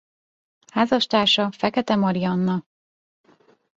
Házastársa Fekete Marianna.